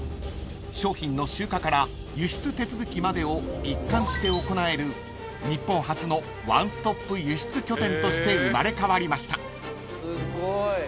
［商品の集荷から輸出手続きまでを一貫して行える日本初のワンストップ輸出拠点として生まれ変わりました］